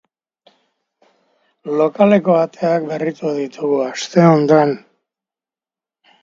Lokaleko ateak objektu zorrotz batekin egindako markak zituen.